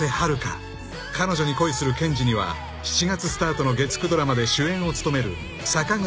［彼女に恋する健司には７月スタートの月９ドラマで主演を務める］